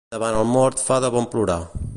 Davant el mort fa de bon plorar.